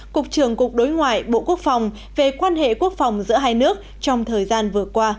cục trưởng cục đối ngoại bộ quốc phòng về quan hệ quốc phòng giữa hai nước trong thời gian vừa qua